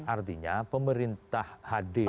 artinya pemerintah hadir